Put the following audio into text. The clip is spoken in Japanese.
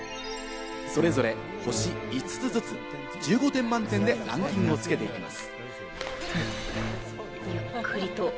それぞれ星５つずつ、１５点満点でランキングをつけていきます。